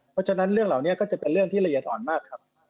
เพราะฉะนั้นเรื่องเหล่านี้ก็จะเป็นเรื่องที่ละเอียดอ่อนมากครับ